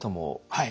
はい。